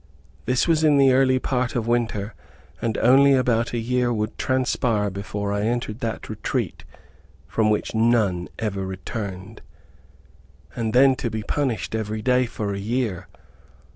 This was in the early part of winter, and only about a year would transpire before I entered that retreat from which none ever returned. And then to be punished every day for a year!